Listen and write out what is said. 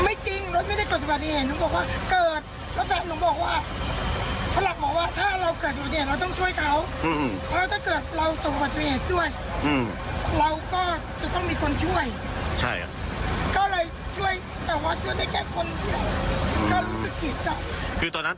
เลยทั้งคนแรกเลยไม่รู้สึกคนร่ายคนคนขับเปล่าคนขับไม่จริง